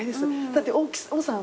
だって大さん